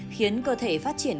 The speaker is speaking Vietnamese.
khiến cơ thể phát triển